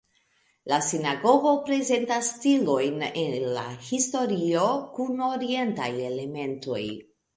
La sinagogo prezentas stilojn el la historio kun orientaj elementoj.